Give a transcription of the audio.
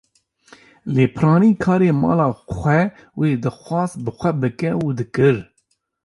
Lê piranî karê mala xwe wê dixwast bi xwe bike û dikir.